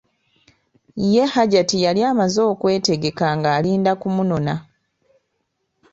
Ye Hajati yali amaze okwetegekka ng'alinda kumunona.